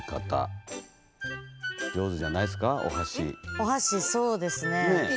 お箸そうですね。